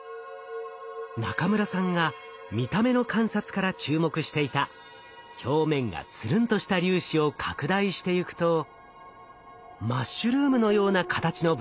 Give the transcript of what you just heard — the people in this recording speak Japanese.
中村さんが見た目の観察から注目していた表面がつるんとした粒子を拡大していくとマッシュルームのような形の物体が。